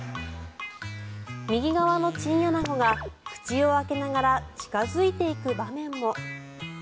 右側のチンアナゴが口を開けながら近付いていく場面も。